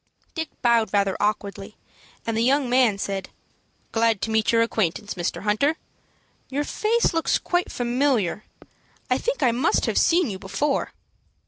Dick bowed rather awkwardly, and the young man said, "Glad to make your acquaintance, Mr. Hunter. Your face looks quite familiar. I think I must have seen you before."